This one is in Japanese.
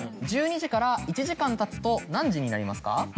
１２時から１時間たつと何時になりますか？